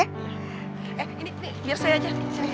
eh ini biar saya aja